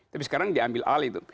tapi sekarang diambil alih itu